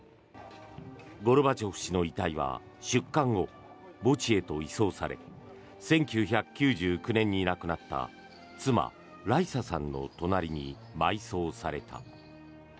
ゴルバチョフ氏の遺体は出棺後、墓地へと移送され１９９９年に亡くなった妻ライサさんの隣に埋葬された。